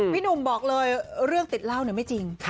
พี่หนุ่มบอกเลยเรื่องติดเหล้าไม่จริง